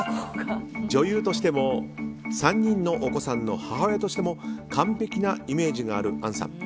女優としても３人のお子さんの母親としても完璧なイメージがある杏さん。